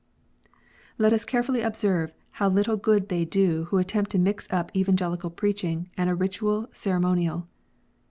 Let us carefully observe how little good they do who attempt to mix up Evangelical preaching and a Ritual ceremonial.